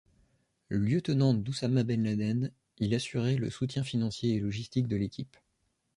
Lieutenant d'Oussama Ben Laden, il assurait le soutien financier et logistique de l’équipe.